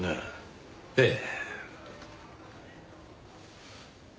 ええ。